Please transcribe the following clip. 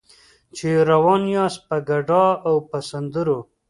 چې روان یاست په ګډا او په سندرو.